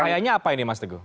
bahayanya apa ini mas teguh